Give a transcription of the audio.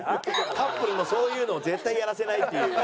カップルのそういうのを絶対やらせないっていう。